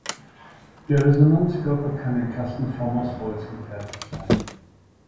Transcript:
Der Resonanzkörper kann in Kastenform aus Holz gefertigt sein.